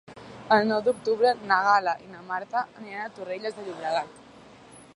El nou d'octubre na Gal·la i na Marta aniran a Torrelles de Llobregat.